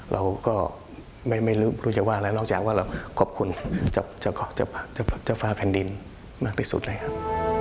เราก็ไม่รู้จะว่าอะไรนอกจากว่าเราขอบคุณเจ้าฟ้าแผ่นดินมากที่สุดเลยครับ